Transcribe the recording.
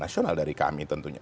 nasional dari kami tentunya